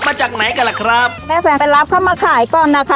มาจากไหนกันล่ะครับแม่แฟนไปรับเข้ามาขายก่อนนะคะ